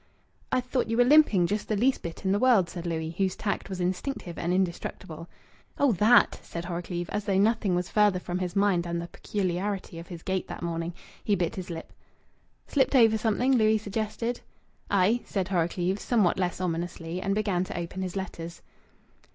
"I thought you were limping just the least bit in the world," said Louis, whose tact was instinctive and indestructible. "Oh, that!" said Horrocleave, as though nothing was farther from his mind than the peculiarity of his gait that morning. He bit his lip. "Slipped over something?" Louis suggested. "Aye!" said Horrocleave, somewhat less ominously, and began to open his letters.